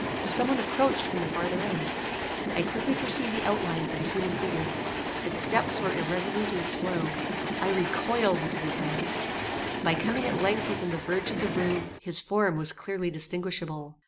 Some one approached from the farther end. I quickly perceived the outlines of a human figure. Its steps were irresolute and slow. I recoiled as it advanced. By coming at length within the verge of the room, his form was clearly distinguishable.